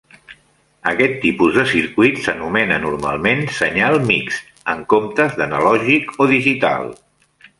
Aquest tipus de circuit s'anomena normalment "senyal mixt" en comptes d'analògic o digital.